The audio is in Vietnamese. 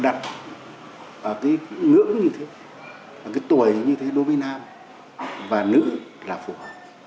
đặt ở cái ngưỡng như thế cái tuổi như thế đối với nam và nữ là phù hợp